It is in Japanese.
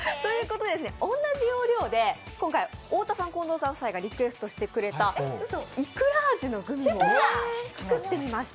同じ要領で、太田さん近藤さん夫妻がリクエストしてくれたいくら味のグミも作ってみました。